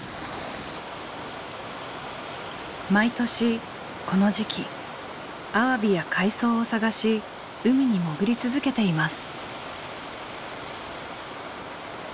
毎年この時期アワビや海藻を探し海に潜り続けています。